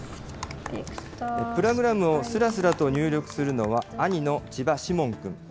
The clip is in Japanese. プログラムをすらすらと入力するのは兄の千葉シモン君。